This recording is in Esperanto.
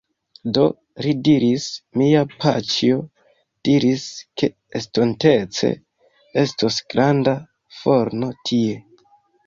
Do, li diris... mia paĉjo diris, ke estontece estos granda forno tie